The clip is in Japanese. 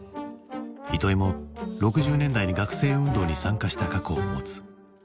糸井も６０年代に学生運動に参加した過去を持つ。